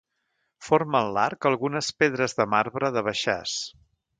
Formen l'arc algunes pedres de marbre de Baixàs.